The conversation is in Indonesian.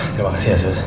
terima kasih ya sus